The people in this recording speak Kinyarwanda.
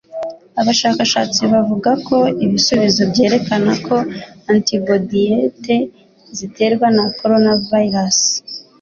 Abashakashatsi bavuga ko ibisubizo byerekana ko antibodiyite ziterwa na coronavirus